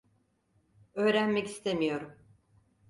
Öğrenmek istemiyorum.